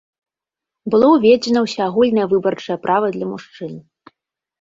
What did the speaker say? Было ўведзена ўсеагульнае выбарчае права для мужчын.